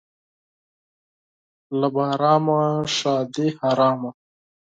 له بهرامه ښادي حرامه.